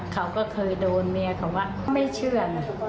เขาก็เคยโดนเมียเขาว่าไม่เชื่อนะ